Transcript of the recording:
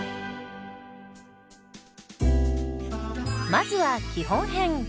まずは基本編。